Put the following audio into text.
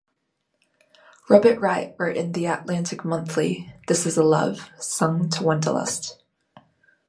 Robert Wright wrote in "The Atlantic Monthly", "This is a love sung to wanderlust.